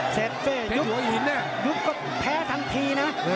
เสร็จเฟ่ยุบยุบก็แพ้ทันทีนะ